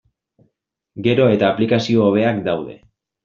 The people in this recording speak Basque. Gero eta aplikazio hobeak daude.